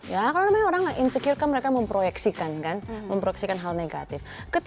ya kalau namanya orang insecure kan mereka memproyeksikan kan memproyeksikan hal negatif